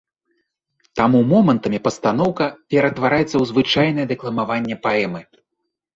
Таму момантамі пастаноўка ператвараецца ў звычайнае дэкламаванне паэмы.